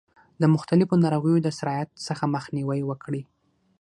د مختلفو ناروغیو د سرایت څخه مخنیوی وکړي.